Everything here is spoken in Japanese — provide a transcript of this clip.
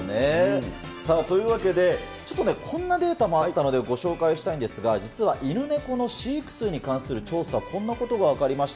さあ、というわけで、ちょっとね、こんなデータもあったので、ご紹介をしたいんですが、実はイヌネコの飼育数に関する調査、こんなことが分かりました。